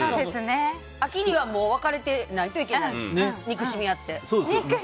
秋にはもう別れてないといけない憎しみ合って。